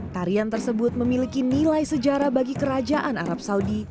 tarian tersebut memiliki nilai sejarah bagi kerajaan arab saudi